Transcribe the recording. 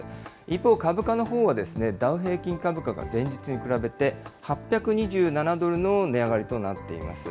一方、株価のほうは、ダウ平均株価が前日に比べて８２７ドルの値上がりとなっています。